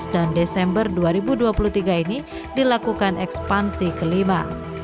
dan desember dua ribu dua puluh tiga ini dilakukan ekspansi kelima